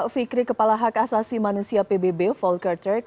fikri kepala hak asasi manusia pbb volker turk